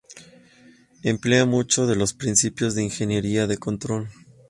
Emplea muchos de los principios de la ingeniería de control.